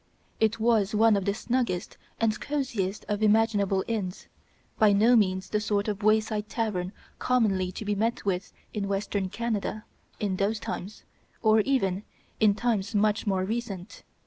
It was one of the snuggest and cosiest of imaginable inns; by no means the sort of wayside tavern commonly to be met with in Western Canada in those times, or even in times much more recent.